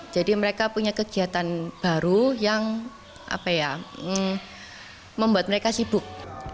jadi mereka punya kegiatan baru yang membuat mereka sibuk